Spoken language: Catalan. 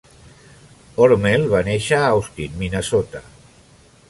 Hormel va néixer a Austin, Minnesota.